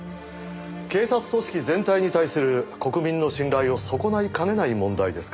警察組織全体に対する国民の信頼を損ないかねない問題ですから。